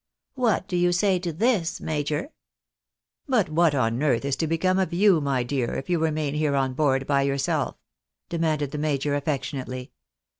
What do you say to this, major ?"" But what on earth is to become of you, my dear, if you remain here on board by yourself?" demanded the major, affec tionately.